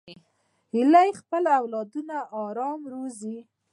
هیلۍ خپل اولادونه آرام روزي